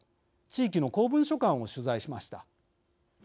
地域の公文書館を取材しました。